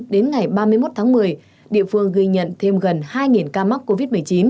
đến ngày ba mươi một tháng một mươi địa phương ghi nhận thêm gần hai ca mắc covid một mươi chín